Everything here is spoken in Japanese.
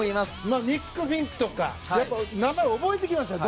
ニック・フィンク選手とか名前を覚えてきましたよ。